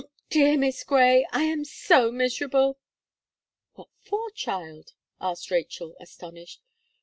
dear, dear Miss Gray! I am so miserable." "What for, child?" asked Rachel astonished.